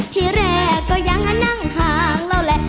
ที่แรกก็ยังนั่งข้างเราแหละ